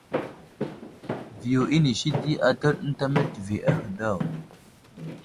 Viyo inisi di atəɗ ənta meltivi ahe daw.